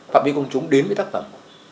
phạm vi công chúng đến với tác phẩm